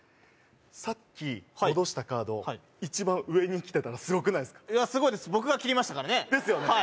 さっき戻したカードはい一番上にきてたらすごくないですかすごいです僕が切りましたからねですよね